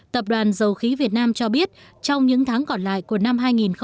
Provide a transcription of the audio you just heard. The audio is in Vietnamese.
tập đoàn dầu khí việt nam cho biết trong những tháng còn lại của năm hai nghìn một mươi chín